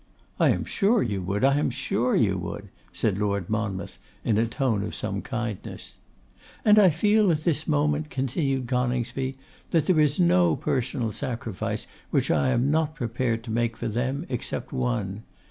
'I am sure you would, I am sure you would,' said Lord Monmouth, in a tone of some kindness. 'And I feel at this moment,' continued Coningsby, 'that there is no personal sacrifice which I am not prepared to make for them, except one.